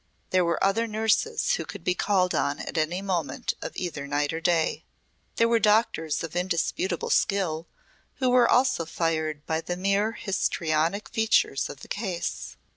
There were other nurses who could be called on at any moment of either night or day. There were doctors of indisputable skill who were also fired by the mere histrionic features of the case.